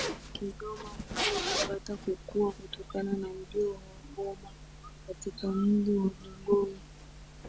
wa Kigoma mji ulipata kukua kutokana na ujio wa Wagoma katika mji wa Bugoye